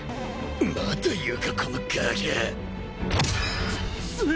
まだ言うかこのガキャアつ強え。